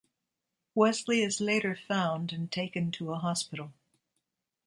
Wesley is later found and taken to a hospital.